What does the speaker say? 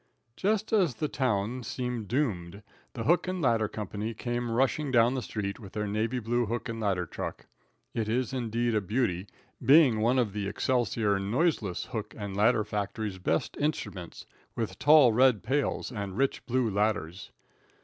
Just as the town seemed doomed, the hook and ladder company came rushing down the street with their navy blue hook and ladder truck. It is indeed a beauty, being one of the Excelsior noiseless hook and ladder factory's best instruments, with tall red pails and rich blue ladders.